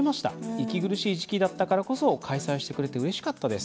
息苦しい時期だったからこそ開催してくれてうれしかったです。